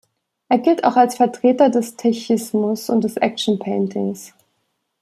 Er gilt auch als Vertreter des Tachismus und des Action Paintings.